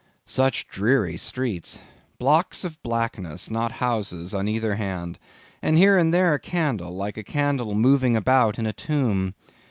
Such dreary streets! blocks of blackness, not houses, on either hand, and here and there a candle, like a candle moving about in a tomb.